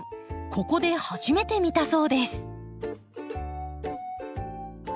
ここで初めて見たそうです。